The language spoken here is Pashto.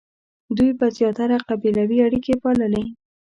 دوی به زیاتره قبیلوي اړیکې پاللې.